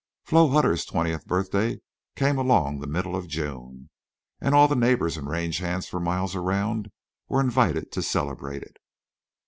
Flo Hutter's twentieth birthday came along the middle of June, and all the neighbors and range hands for miles around were invited to celebrate it.